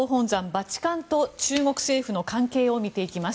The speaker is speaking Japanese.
バチカンと中国政府の関係を見ていきます。